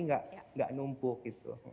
enggak numpuk gitu